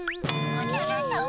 おじゃるさま。